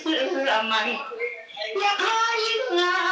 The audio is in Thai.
หากพร้อมมาด้วยแต่อย่าให้แสดงกลับให้